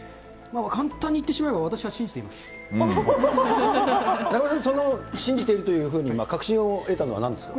簡単に言ってしまえば、中丸君、信じているというふうに確信を得たのはなんでですか。